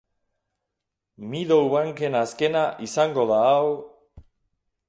Meadowbanken azkena izango da hau...